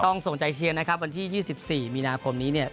ต้องส่งใจเชียงนะครับวันที่๒๔มีนาคมนี้